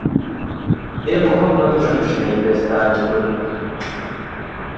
دێم و هەڵدەمژم شنەی کوێستانی کورد